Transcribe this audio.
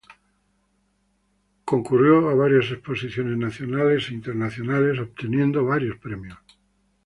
Concurrió a varias exposiciones nacionales e internacionales, obteniendo varios premios.